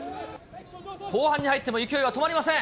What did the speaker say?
後半に入っても勢いは止まりません。